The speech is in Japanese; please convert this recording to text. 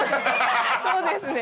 そうですね。